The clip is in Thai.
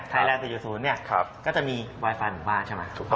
ไทยแลงด์๔๐เนี่ยก็จะมีไวฟิวาสหมู่บ้านใช่ไหม